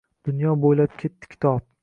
Dunyo boʼylab ketdi kitob